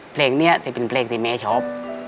เพลงนี้จะเป็นเพลงที่แม่ชอบ